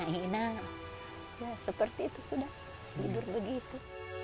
berhenti nanas seperti itu sudah tidur begitu